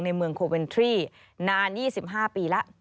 ในเมืองโคเวนทรี่นาน๒๕ปีแล้ว